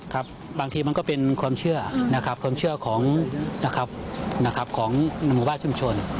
ครับบางทีมันก็เป็นความเชื่อความเชื่อของหมู่บ้านชุมชน